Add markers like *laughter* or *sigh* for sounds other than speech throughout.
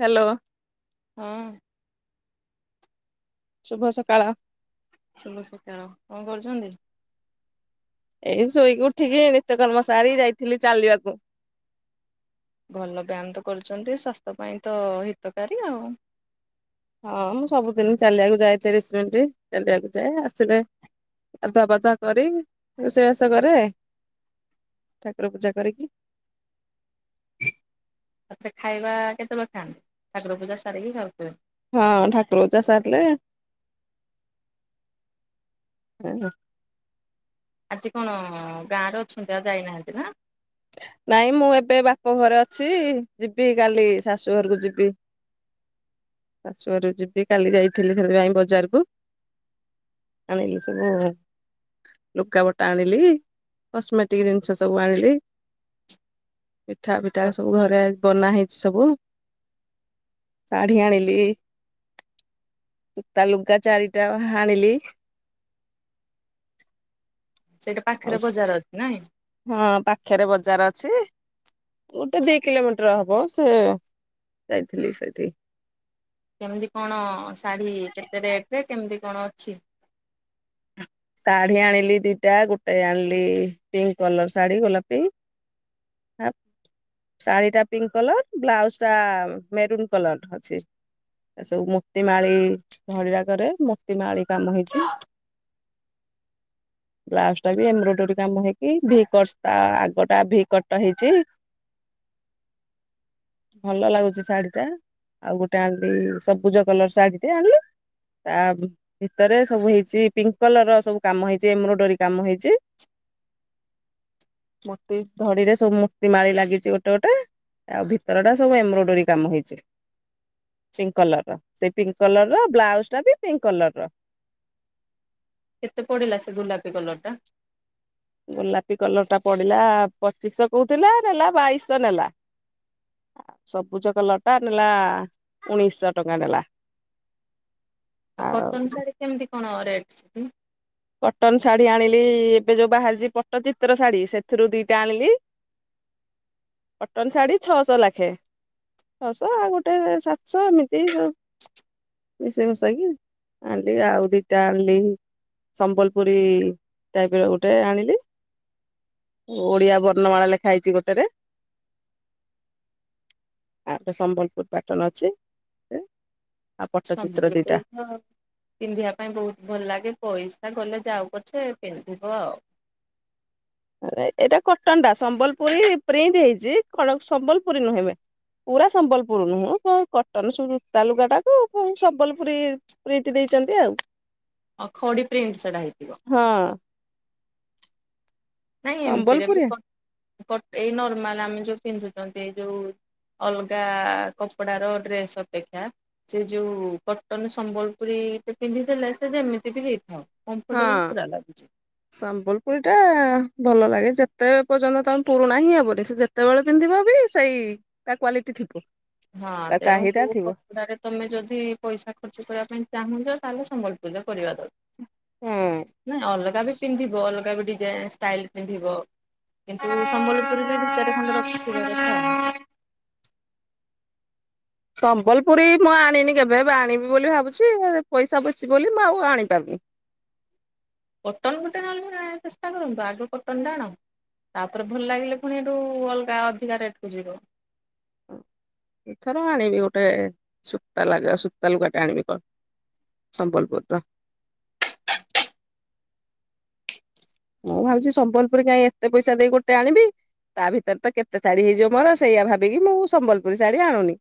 Hello. ହଁ ଶୁଭ ସକାଳ। ଶୁଭ ସକାଳ। କଣ କରୁଛନ୍ତି? ଏଇ ଶୋଇକି ଉଠିକି, ନିତ୍ୟକର୍ମ ସାରି ଯାଇଥିଲି ଚାଲିବାକୁ। ଭଲ ବ୍ୟାୟାମ ତ କରୁଛନ୍ତି ସ୍ୱାସ୍ଥ୍ୟ ପାଇଁ ତ ହିତକାରୀ ଆଉ ହଁ, ମୁଁ ସବୁଦିନ ଚାଲିବାକୁ ଯାଏ ତିରିଶ ମିନିଟ। ଚାଲିବାକୁ ଯାଏ ଆସିଲେ ଗାଧୁଆ ପାଧୁଆ କରି ରୋଷେଇବାସ କରେ, ଠାକୁର ପୂଜା କରିକି ତାପରେ ଖାଇବା କେତେବେଳେ ଖାଆନ୍ତି? ଠାକୁର ପୂଜା ସାରିକି ଖାଉଥିବେ। ହଁ ଠାକୁର ପୂଜା ସାରିଲେ ଆଜି କଣ ଗାଁରେ ଅଛନ୍ତି ଆଉ ଯାଇନାହାନ୍ତି ନା? ନାଇଁ ମୁଁ ଏବେ ବାପ ଘରେ ଅଛି। ଯିବି କାଲି ଶାଶୁ ଘରକୁ ଯିବି। *inaudible* ଆ ଶାଶୁଘର ଯିବି କାଲି ଯାଇଥିଲି ସେଥିପାଇଁ ବଜାରକୁ। ଆଣିଲି ସବୁ ଲୁଗାପଟା ଆଣିଲି, କସ୍ମେଟିକ ଜିନିଷ ସବୁ ଆଣିଲି। ପିଠା ପିଠା ସବୁ ଘରେ ବନା ହେଇଛି ସବୁ, ଶାଢୀ ଆଣିଲି। ସୂତା ଲୁଗା ଚାରିଟା ଆଣିଲି। ସେଇଟା ଆଉ ପାଖରେ ବଜାର ଅଛି ନାଇଁ? ହଁ, ପାଖରେ ବଜାର ଅଛି। ଗୋଟେ ଦି କିଲୋମିଟର ହବ, ସେ ଯାଇଥିଲି ସେଇଠି। କେମିତି କଣ ଶାଢୀ କେତେ ରେଟ ରେ, କେମିତି କଣ ଅଛି? ଶାଢୀ ଆଣିଲି ଦିଟା, ଗୋଟେ ଆଣିଲି ପିଙ୍କ କଲର ଶାଢୀ ଗୋଲାପି। *unintelligible* ଶାଢୀ ଟା ପିଙ୍କ କଲର ବ୍ଲାଉଜ ଟା ମେରୁନ୍ କଲର ଅଛି। ଏ ସବୁ ମୋତି ମାଳି ଧଳିଆ କରେ ମୋତି ମାଳି କାମ ହେଇଛି। ବ୍ଲାଉଜ ଟା ବି ଏମ୍ବ୍ରଡରୀ କାମ ହେଇକି ଭି କଟ ଆଗଟା ଭି କଟା ହେଇଛି। *inaudible* ଭଲ ଲାଗୁଛି ଶାଢୀ ଟା ଆଉ ଗୋଟେ ସବୁଜ କଲର ଶାଢୀ ଟେ ଆଣିଲ। ତା ଭିତରେ ସବୁ ହେଇଛି ପିଙ୍କ। କଲର ର ସବୁ କାମ ହେଇଛି ଏମ୍ବ୍ରୋଏଡରୀ କାମ ହେଇଛି। *inaudible* ମୁତି ଧଡିରେ ସବୁ ମୂର୍ତ୍ତି ମାଳି ଲାଗିଛି ଗୋଟେ ଗୋଟେ। ଆଉ ଭିତର ଟା ସବୁ ଏମ୍ବ୍ରୋଏଡୋରୀ କାମ ହେଇଛି। ପିଙ୍କ କଲର ର ସେଇ ପିଙ୍କ କଲର ର ବ୍ଲାଉଜ ଟା ବି ପିଙ୍କ କଲର କେତେ ପଡିଲା ସେ ଗୁଲାପୀ କଲର ଟା? ଗୋଲାପୀ କଲର ଟା ପଡିଲା ପଚିଶ ଶହ କୋହୁଥିଲା ନେଲା ବାଇଶ ଶହ ନେଲା। ସବୁଜ କଲଟା ନେଲା ଉଣେଇଶ ଶହ ଟଙ୍କା ନେଲା। ଆଉ କଟନ ଶାଢ଼ୀ କେମିତି କଣ ରେଟ୍ ସେଠି। କଟନ ଶାଢୀ ଆଣିଲି, ଏବେ ଯୋଉ ବାହାରିଛି ପଟ୍ଟଚିତ୍ର ଶାଢୀ ସେଥିରୁ ଦିଟା ଆଣିଲି। *inaudible* କଟନ ଶାଢ଼ୀ ଛଅଶହ ଲାଖେ। ଛ ଶହ ଆଉ ଗୋଟେ ସାତଶହ ଏମିତି। ମିଶେଇ ମିଶାଇକି ଆଣିଲି ଆଉ ଦିଟା ଆଣିଲି। ସମ୍ବଲପୁରୀ ଟାଇପ ର ଗୋଟେ ଆଣିଲି। ଓଡିଆ ବର୍ଣ୍ଣମାଳା ଲେଖା ହେଇଛି ଗୋଟେରେ। ଆ ସମ୍ବଲପୁର ପାଟନ ଅଛି ଗୋଟେ ଆଉ ପଟ୍ଟଚିତ୍ର ସମ୍ବଲପୁରୀ ଦିଟା। ତ ପିନ୍ଧିବା ପାଇଁ ବହୁତ ଭଲ ଲାଗେ ପଇସା ଗଲେ ଯାଉ ପଛେ ପିନ୍ଧିବ ଆଉ। ଏଇଟା କଟନ ଟା, ସମ୍ବଲପୁରୀ ପ୍ରିଣ୍ଟ ହେଇଛି କଣ ସମ୍ବଲପୁରୀ ନୁହେଁ ମେ ପୁରା ସମ୍ବଲପୁର ନୁହଁ କ କଟନ ସୂ ତା ଲୁଗା ଟାକୁ ସମ୍ବଲପୁରୀ। ପ୍ରିଣ୍ଟ ଦେଇଛନ୍ତି ଆଉ। ଅ ଖଡି ପ୍ରିଣ୍ଟ ସେଟା ହେଇଥିବ। ହଁ। ନାଇଁ ଏମିତିରେ ସମ୍ବଲପୁରୀ କ କଟ ଏଇ ନର୍ମାଲ ଆମେ ଯଉ ପିନ୍ଧୁଛନ୍ତି ଏ ଯୋଉ ଅଲଗା କପଡାର ଡ୍ରେସ୍ ଅପେକ୍ଷା ସେ ଯୋଉ କଟନ ସମ୍ବଲପୁରୀ ପିନ୍ଧିଦେଲେ ସେ ଯେମିତି ବି ହେଇଥାଉ। କମ୍ଫର୍ଟେବଲ ହଁ। ପୁରା ଲାଗୁଛି। ସମ୍ବଲପୁରୀ ଟା ଭଲ ଲାଗେ, ଯେତେ ପର୍ଯ୍ୟନ୍ତ ତମେ ପୁରୁଣା ହିଁ ହବନି ସେ ଯେତେବେଳେ ପିନ୍ଧିବ ବି ସେଇ ତା କ୍ୱାଲିଟି ଥିବ। ହଁ ତା ତେଣୁ ଚାହିଦା କୋଉ ଥିବ କ ପଡ଼ାରାରେ ତମେ ଯଦି ପଇସା ଖର୍ଚ୍ଚ କରିବା ପାଇଁ ଚାହୁଁଛ, ତାହେଲେ ସମ୍ବଲପୂରିରେ କରିବା ଦରକାର। ହୁଁ। ନାଇଁ ଅଲଗା ବି ପିନ୍ଧିବ ଅଲଗା ବି ଡିଜାଇନ ଷ୍ଟାଇଲ ପିନ୍ଧିବ। କିନ୍ତୁ ସମ୍ବଲପୁରୀ ବି ଦି ଚାରି ଖଣ୍ଡ ରଖିଥିବା କଥା ଆଉ। ସମ୍ବଲପୁରୀ ମୁଁ ଆଣିନି କେବେ, ଏବେ ଆଣିବି ବୋଲି ଭାବୁଛି ପଇସା ବେଶ ବୋଲି ମୁଁ ଆଉ ଆଣିପାରୁନି। କଟନ ଗୋଟେ ନହେଲେ ଚେଷ୍ଟା କରନ୍ତୁ ଆଗ କଟନଟା ଆଣ। ତାପରେ ଭଲ ଲାଗିଲେ ପୁଣି ଏଠୁ ଅଲଗା ଅଧିକା ରେଟ କୁ ଯିବ। ଏଥର ଆଣିବି ଗୋଟେ ସୂତା ଲାଗା ସ ସୁତା ଲୁଗା ଟେ ଆଣିବି କ ସମ୍ବଲପୁରିର। ମୁଁ ଭାବୁଛି ସମ୍ବଲପୁରୀ କାଇଁ ଏତେ ପଇସା ଦେଇ ଗୋଟେ ଆଣିବି। ତା ଭିତରେ ତ କେତେ ଶାଢୀ ହେଇଯିବ ମୋର ସେଇଆ ଭାବିକି ମୁଁ ସମ୍ବଲପୁରୀ ଶାଢୀ ଆଣୁନି।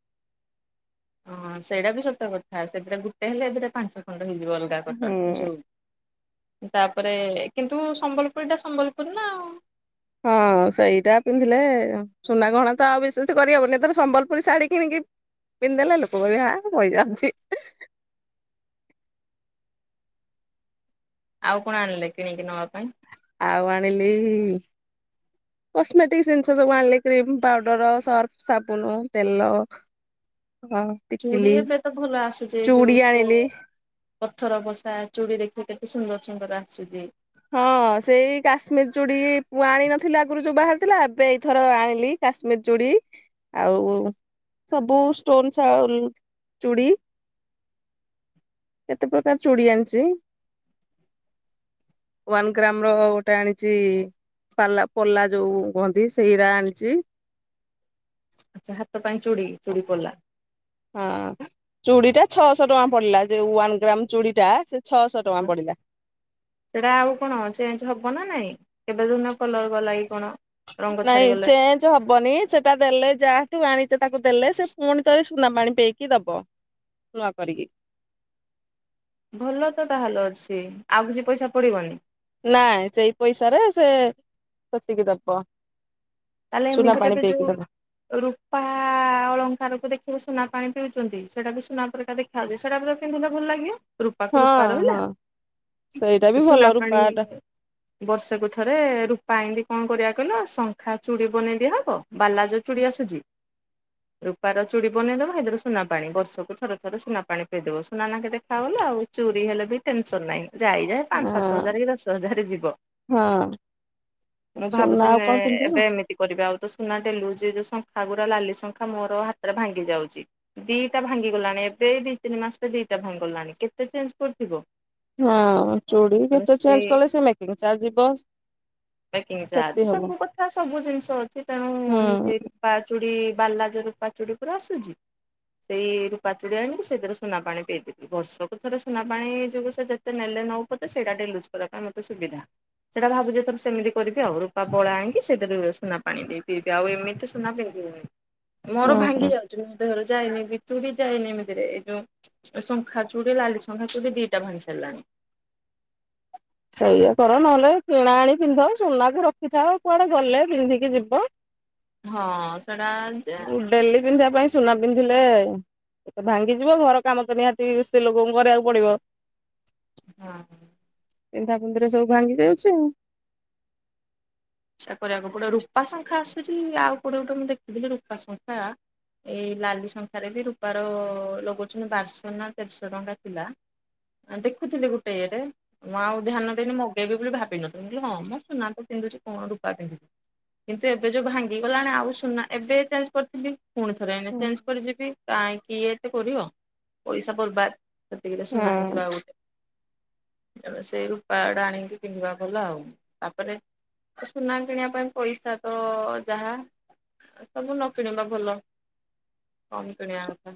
ହଁ ସେଇଟା ବି ସତ କଥା, ସେଥିରେ ଗୁଟେ ହେଲେ ଏଥିରେ ପାଞ୍ଚ ଖଣ୍ଡ ହେଇଯିବ। ଲୁଗା କଟନ୍ ଏ ହୁଁ। ଯୋଉ ତାପରେ କିନ୍ତୁ ସମ୍ବଲପୁରୀ ଟା ସମ୍ବଲପୁରୀ ନା‌ ଆଉ। ହଁ ସେଇଟା ପିନ୍ଧିଲେ। ସୁନା ଗହଣା ତ ଆଉ ବିଶଷ କରିହବନି, ଏଥର ସମ୍ବଲପୁରୀ ଶାଢ଼ୀ କିଣିକି। ପିନ୍ଧଦେଲେ ଲୋକ କହିବେ ହାଁ ପଇସା ଅଛି। ଆଉ କଣ ଆଣିଲେ କିଣିକି ନବା ପାଇଁ। ଆଉ ଆଣିଲି। କସ୍ମେଟିକ ଜିନିଷ ସବୁ ଆଣିଲି କ୍ରିମ ପାଉଡର ସର୍ଫ ସାବୁନ ତେଲ। ହଁ। ଚୁଡ଼ି ଟିକିଲି ଏବେ ତ ଭଲ ଆସୁଛି ଚୁଡି ଯୋଉ ତୋ ଆଣିଲି ପଥର ବସା ଚୁଡି ଦେଖିବ କେତେ ସୁନ୍ଦର ସୁନ୍ଦର ଆସୁଛି। ହଁ ସେଇ କାଶ୍ମୀର ଚୁଡ଼ି ମୁଁ ଆଣି ନଥିଲି ଆଗରୁ ଯୋଉ ବାହାରିଥିଲା ଏବେ ଏଇଥର ଆଣିଲି। କାଶ୍ମୀର ଚୁଡ଼ି ଆଉ ସବୁ ଷ୍ଟୋନ୍ ସଲ ଚୁଡ଼ି। କେତେ ପ୍ରକାର ଚୁଡି ଆଣିଛି। ୱାନ୍ ଗ୍ରାମ ର ଗୋଟେ ଆଣିଛି। ପାଲା ପଲା ଯୋଉ କୁହନ୍ତି ସେଇରା ଆଣିଛି। ଆଚ୍ଛା ହାତ ପାଇଁ ଚୁଡ଼ି ଚୁଡ଼ି ପଲା। ହଁ, ଚୁଡି ଟା ଛଅଶହ ଟଙ୍କା ପଡିଲା ଯେଉ ୱାନ୍ ଗ୍ରାମ ଚୁଡ଼ି ଟା ସେ ଛଅଶ। ଟଙ୍କା ପଡିଲା। ସେଇଟା ଆଉ କଣ ଚେଞ୍ଜ ହବ ନା ନାଇଁ କେବେ ଯୋଉ ଦିନ କଲର ଗଲା କି କଣ? ରଙ୍ଗ ନାଇଁ ଛାଡିଗଲେ ଚେଁ ହବନି ସେଇଟା ଦେଲେ ଯାହାଠୁ ଆଣିଛ ତାକୁ ଦେଲେ ସେ ପୁଣି ଥରେ ସୁନା ପାଣି ପେଇକି ଦବ। ନୂଆ କରିକି। ଭଲ ତ ତାହେଲେ ଅଛି ଆଉ କିଛି ପଇସା ପଡ଼ିବନି। ନାଇଁ, ସେଇ ପଇସାରେ ସେ ସେତିକି ଦବ। ତାହେଲେ ସୁନା ଏମିତି ରେ ପାଣି ବି ପେଇକି ଯୋଉ। ଦବ ରୂପା ଅଳଙ୍କାର କୁ ଦେଖିବ ସୁନା ପାଣି ପିଉଛନ୍ତି ସେଟା ବି ସୁନା ପରିକା ଦେଖ ଦେଖା ଯାଉଛି ସେଇଟା ପୂରା ପିନ୍ଧିଲ ଭଲ ଲାଗିବ। ରୂପାକୁ ହଁ ରୂପାର ହେଲା, ହଁ ସେଇଟା ବି ସୁନା ଭଲ ପାଣି। ରୂପାଟା ବର୍ଷକୁ ଥରେ ରୂପା ଇଁତି କଁ କରିବା କହିଲ ସଂ ଶଖା ଚୁଡି ବନେଇ ଦିଆହବ ବାଲା ଯୋଉ ଚୁଡି ଆସୁଛି। ରୂପାର ଚୁଡ଼ି ବନେଇଦବା ହେଇଥିରେ ସୁନା ପାଣି ବର୍ଷକୁ ଥରେ ଥରେ ସୁନା ପାଣି ପେଇଦବ ସୁନା ନାଖେ ଦେଖାଗଲା ଆଉ। ଚୁରି ହେଲେ ବି ଟେନସନ ନାହିଁ ଯାଇ ଯାଏ ପାଞ୍ଚ, ସାତ ହଁ ହଜାର କି, ଦଶ ହଜାର ଯିବ। ହଁ ମୁଁ ସୁନା ଭାବୁଛି, ଆଉ ଏ କଣ ପିନ୍ଧିବ ଏବେ। ଏମିତି କରିବି ଆଉ ତ ସୁନା ଡେଲି ୟୂଜ ଯୋଉ ଶଙ୍ଖା ଗୁରା ଲାଲି ଶଙ୍ଖା ମୋର ହାତରେ ଭାଙ୍ଗି ଯାଉଛି। ଦିଟା ଭାଙ୍ଗିଗଲାଣି ଏବେ ଦିଇ ତିନି ମାସରେ ଦିଟା ଭାଙ୍ଗି ଗଲାଣି କେତେ ଚେଞ୍ଜ କରୁଥିବ। ହଁ, ଚୁଡ଼ି ଯେତେ ଚେଞ୍ଜ କଲେ ସେ ମେକିଂ ଚାର୍ଯ ଯିବ ପ୍ୟାକିଂ କ୍ଷତି ଚାର୍ଜ ହବ ସବୁ କଥା ସବୁ ଜିନିଷ ଅଛି ତେଣୁ ମି ହୁଁ ସେଇ। ରୂପାଚୁଡ଼ି ବାଲା ଯୋଉ ରୂପାଚୁଡ଼ି ଉପରେ ଆସୁଛି। ସେଇ ରୂପା ଚୁଡ଼ି ଆଣିକି ସେଇଥିରେ ସୁନା ପାଣି ପଇଦେବି। ବର୍ଷକୁ ଥରେ ସୁନା ପାଣି ଯୋଗୁଁ ସେ ଯେତେ ନେଲେ ନଉ ପଛେ ସେଇଟା ଡେଲି ୟୁଜ କରିବା ପାଇଁ ମତେ ସୁବିଧା। ସେଇଟା ଭାବୁଛି ଏଥର ସେମିତି କରିବି ଆଉ ରୂପା ବଳା ଆଣିକି ସେଥିରେ ସୁନା ପାଣି ଦେଇ ପେଇବି। ଆଉ ଏମିତି ସୁନା ପିନ୍ଧିବନି। ମୋର ଭାଙ୍ଗି ହୁଁ। ଯାଉଛି। ମୋ ଦେହରୁ ଯାଏନି ଏଇ ଚୁଡି ଯାଏନି ଏମିତିରେ ଏଇ ଯୋଉ। ଶଙ୍ଖା ଚୁଡ଼ି, ଲାଲି ଶଙ୍ଖା ଚୁଡ଼ି, ଦିଟା ଭାଙ୍ଗି ସାଇଲାଣି। ସେଇଆା କର, ନହେଲେ କିଣା ଆଣି ପିନ୍ଧ, ସୁନାକୁ ରଖିଥାଅ, କୁଆଡେ ଗଲେ ପିନ୍ଧିକି ଯିବ। ହଁ ସେଟା ଯେ ଡେଲି ପିନ୍ଧିବା ପାଇଁ ସୁନା ପିନ୍ଧିଲେ ଏ ଭାଙ୍ଗିଯିବ ଘର କାମ ତ ନିହାତି ସ୍ତ୍ରୀ ଲୋକଙ୍କୁ କରିବାକୁ ପଡିବ। ହଁ ହଁ *unintelligible* ପିନ୍ଧା ପିନ୍ଧିରେ ସବୁ ଭାଙ୍ଗି ଯାଉଛି ଆଉ। ସେଆ କରିବାକୁ ପଡ଼ିବ। ରୂପା ଶଙ୍ଖା ଆସୁଛି ଆଉ କୋଟେ ଗୋଟେ ମୁଁ ଦେଖିଥିଲି ରୂପା ଶଙ୍ଖା। ଏଇ ଲାଲି ଶଙ୍ଖାରେ ବି ରୂପାର ଲଗଉଛନ୍ତି ବାରଶହ ନା ତେରଶହ ଟଙ୍କା ଥିଲା। ଆ ଦେଖୁଥିଲି ଗୋଟେ ଇଏରେ। ମୁଁ ଆଉ ଧ୍ୟାନ ଦେଇନି ମଗେଇବି ବୋଲି ଭାବିନଥିଲି ମୁଁ କହିଲି ହଁ ମଁ ସୁନା ତ ପିନ୍ଧୁଛି। କଣ ରୂପା ପିନ୍ଧିବି? କିନ୍ତୁ ଏବେ ଯୋଉ ଭାଙ୍ଗିଗଲାଣି ଆଉ ସୁନା ଏବେ ଚେଞ୍ଜ କରିଥିଲି ପୁଣି ଥରେ ଏଇନେ ଚେଞ୍ଜ କରି ଯିବି। କାହିଁକି ଇଏ ଏତେ କରିବ ପଇସା ବର୍ବାଦ? ସେତିକିରେ ସୁନା ହଁ ହେଇଯିବ ଆଉ ଗୋଟେ। ସେଇ ରୂପା ଟା ଆଣିକି ପିନ୍ଧିବା ଭଲ ଆଉ ତାପରେ ସୁନା କିଣିବା ପାଇଁ ପଇସା ତ ଯାହା ସବୁ ନ କିଣିବା ଭଲ କମ କିଣିବା କଥା।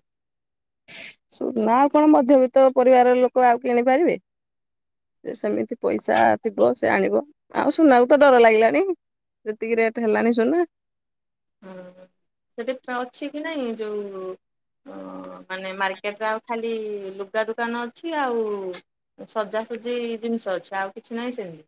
ସୁନା ଆଉ କଣ ମଧ୍ୟବିତ୍ତ ପରିବାର ଲୋକ ଆଉ କିଣିପାରିବେ? ଯେ ସେମିତି ପଇସା ଥିବ, ସେ ଆଣିବ, ଆଉ ସୁନାକୁ ତ ଡର ଲାଗିଲାଣି। ଯେତିକି ରେଟ୍ ହେଲାଣି ସୁନା। ହଁ ସେଠି ଅଛି କି ନାହିଁ ଯୋଉଁ ଓ ମାନେ ମାର୍କେଟରେ ଆଉ ଖାଲି ଲୁଗା ଦୋକାନ ଅଛି ଆଉ ସଜାସଜି ଜିନିଷ ଅଛି ଆଉ କିଛି ନାହିଁ ସେମିତି।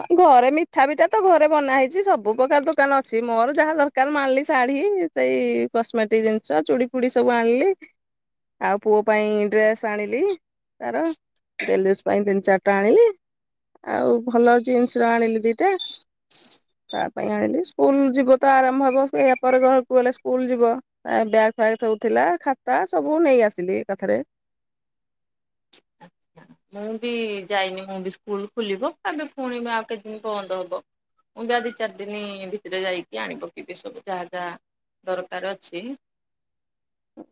ହଁ ଘରେ ମିଠା ବିଠା ତ ଘରେ ବନା ହେଇଛି ସବୁ ପ୍ରକାର ଦୋକାନ ଅଛି ମୋର ଯାହା ଦରକାର ମୁଁ ଆଣିଲି ଶାଢୀ ସେଇ କସ୍ମେଟିକ ଜିନିଷ ଚୁଡି ଫୁଡି ସବୁ ଆଣିଲି ଆଉ ପୁଅ ପାଇଁ ଡ୍ରେସ ଆଣିଲି ତାର। ଡେଲିୟୁସ୍ ପାଇଁ ତିନି ଚାରିଟା ଆଣିଲି ଆଉ ଭଲ ଜିନ୍ସ ରୁ ଆଣିଲି ଦିଟା ତା ପାଇଁ ଆଣିଲି ସ୍କୁଲ ଯିବ ତ ଆରମ୍ଭ ହବ ଏହା ପରେ ଘରକୁ ଗଲେ ସ୍କୁଲ ଯିବ। ଆଉ ବ୍ୟାଗ୍ ଫ୍ୟାଗ୍ ଥଉଥିଲା ଖାତା ସବୁ ନେଇ ଆସିଲି ଏକାଥରେ। ଫାଙ୍କା ଅଡିଓ ମୁଁ ବି ଯାଇନି ମୁଁ ବି ସ୍କୁଲ ଖୋଲିବ ତାବେ ପୁଣି ଆଉ କେତେଦିନ ବନ୍ଦ ହବ। ମୁଁ ବି ଆଉ ଦିଇ ଚାରି ଦିନ ଭିତରେ ଯାଇକି ଆଣି ପକେଇବି ସବୁ ଯାହା ଯାହା ଦରକାର ଅଛି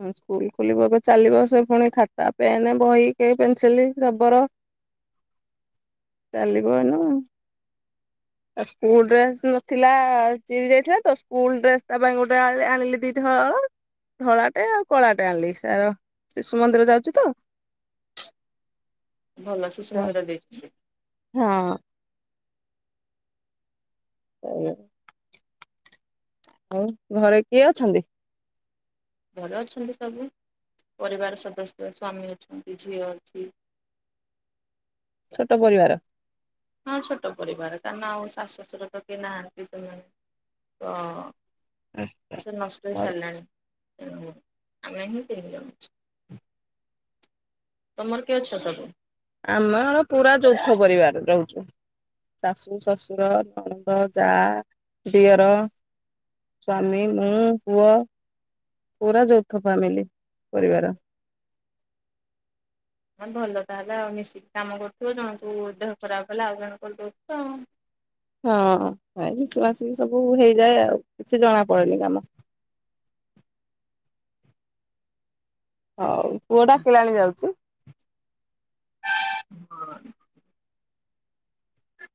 ସ୍କୁଲ ଖୋଲିବ ଏବେ ଚାଲିବ ସେ ପୁଣି ଖାତା ପେନ୍ ବହି କେ ପେନସିଲ ରବର। ଫାଙ୍କା ଅଡିଓ। ଚାଲିବ ଏଇନୁ। ଫାଙ୍କା ଅଡିଓ। ଆଉ ସ୍କୁଲ ଡ୍ରେସ ନଥିଲା ଚିରି ଯାଇଥିଲା ତ ସ୍କୁଲ ଡ୍ରେସ ତା ପାଇଁ ଗୋଟେ ଆଣିଲି ଦିଟା ହଳ। ଧଳାଟେ ଆଉ କଳାଟେ ଆଣିଲି ସାର ଶିଶୁ ମନ୍ଦିର ଯାଉଛି ତ। ଭଲ ସୁଷୁମନ୍ଦିରରେ ଦେଇଛନ୍ତି। ହଁ। ହ *unintelligible* ଆଉ ଘରେ କିଏ ଅଛନ୍ତି? ଘରେ ଅଛନ୍ତି ସବୁ ପରିବାର ସଦସ୍ୟ ସ୍ଵାମୀ ଅଛନ୍ତି ଝିଅ ଅଛି। ଛୋଟ ପରିବାର। ହଁ ଛୋଟ ପରିବାର କାରଣ ଆଉ ଶାଶୁଶଶୁର ତ କିଏ ନାହାନ୍ତି ସେମାନେ। ତଁ ଆଛା ନଷ୍ଟ ହେଇ ସାଇଲଣି ଆମର ଏମିତି ତିଲ ତମର କିଏ ଅଛ ସବୁ ଆମେ ହର ପୁରା ଯୌଥ ପରିବାର ରହୁଛୁ। ଶାଶୁ ଶଶୁର ନଣନ୍ଦ ଯା ଦିଅର ସ୍ଵାମୀ ମୁଁ ପୁଅ ପୁରା ଯୌଥ ଫ୍ୟାମିଲି ପରିବାର ହ ଭଲ ତାହେଲେ ଆଉ ମିଶିକି କାମ କରୁଥିବ ଜଣକୁ ଦେହ ଖରାପ ହେଲା ଆଉ ଜଣ କରିଦଉଥିବ ଆଉ ହଁ ଭାଇ ବିଶବାସ ସବୁ ହେଇଯାଏ ଆଉ କିଛି ଜଣା ପଡନି କାମ ହଉ ପୁଅ ଡାକିଲାଣି ଯାଉଛି ହଁ